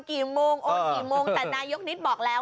คุณผู้ชมครับคุณผู้ชมครับ